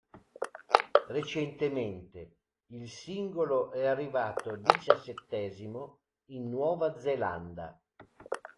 Recentemente, il singolo è arrivato diciassettesimo in Nuova Zelanda.